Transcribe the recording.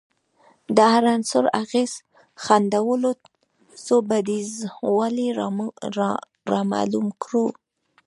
د هر عنصر اغېز ښندلو څو بعدیزوالی رامعلوم کړو